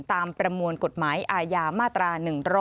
ประมวลกฎหมายอาญามาตรา๑๑๒